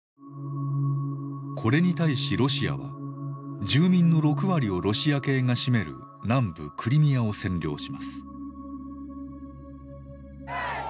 これに対しロシアは住民の６割をロシア系が占める南部クリミアを占領します。